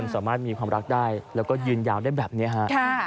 สามารถมีความรักได้แล้วก็ยืนยาวได้แบบนี้ฮะ